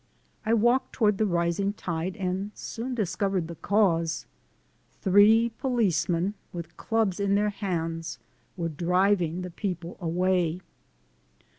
I walked toward the rising tide and soon discovered the cause! Three policemen with clubs in hands were driving the people away.